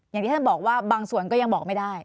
อย่างที่ท่านบอกว่าบางส่วนก็ยังบอกไม่ได้